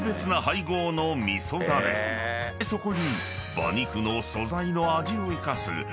［そこに］